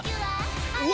うわ！